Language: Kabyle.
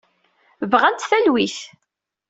Bɣan talwit.